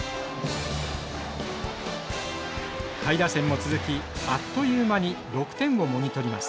下位打線も続きあっという間に６点をもぎ取ります。